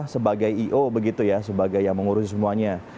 sebagai i o begitu ya sebagai yang mengurusi semuanya